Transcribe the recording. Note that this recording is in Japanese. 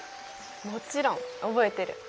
もちろん覚えてる。